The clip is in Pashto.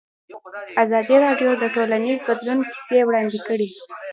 ازادي راډیو د ټولنیز بدلون کیسې وړاندې کړي.